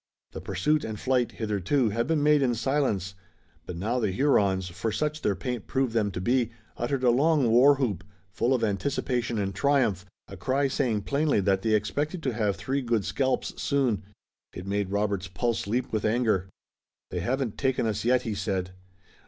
The pursuit and flight, hitherto, had been made in silence, but now the Hurons, for such their paint proved them to be, uttered a long war whoop, full of anticipation and triumph, a cry saying plainly that they expected to have three good scalps soon. It made Robert's pulse leap with anger. "They haven't taken us yet," he said.